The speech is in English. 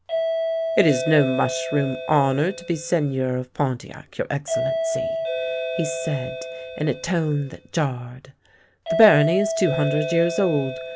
" It is no mushroom honour to be Seigneur of Pon tiac, your Excellency," he said, in a tone that jarred. " The barony is two hundred years old.